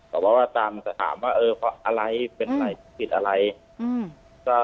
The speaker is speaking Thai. บอกว่าว่าตามจะถามว่าเออเขาอะไรเป็นไหนผิดอะไรอืม